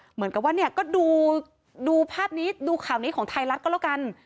เหมือนกับว่าดูข่าวนี้ของไทยรัฐก็แล้วกัน